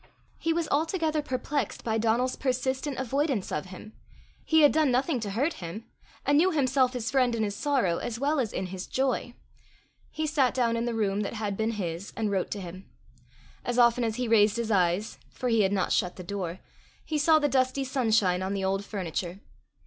He was altogether perplexed by Donal's persistent avoidance of him. He had done nothing to hurt him, and knew himself his friend in his sorrow as well as in his joy. He sat down in the room that had been his, and wrote to him. As often as he raised his eyes for he had not shut the door he saw the dusty sunshine on the old furniture.